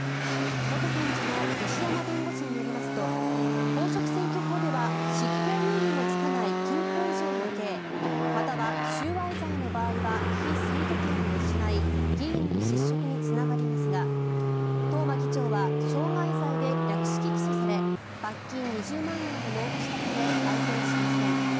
元検事の西山弁護士によりますと公職選挙法では執行猶予のつかない禁錮以上の刑または収賄罪の場合は被選挙権を失い議員の失職につながりますが東間議長は傷害罪で略式起訴され罰金２０万円を納付したため該当しません。